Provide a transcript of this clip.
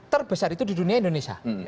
terbesar itu di dunia indonesia